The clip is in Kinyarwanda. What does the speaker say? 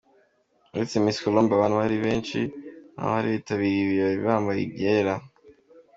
Uretse Miss Colombe, abandi bantu benshi nabo bari bitabiriye ibi birori bambaye ibyera.